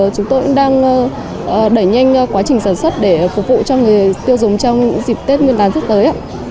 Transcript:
chúng tôi đang đẩy nhanh quá trình sản xuất để phục vụ cho người tiêu dùng trong dịp tết nguyên đán tiếp tới